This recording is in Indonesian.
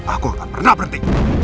aku akan pernah berhenti